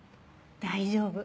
大丈夫。